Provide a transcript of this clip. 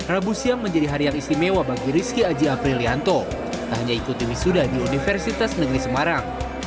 rabu siang menjadi hari yang istimewa bagi rizky aji aprilianto tak hanya ikuti wisuda di universitas negeri semarang